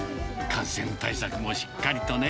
感染対策もしっかりとね。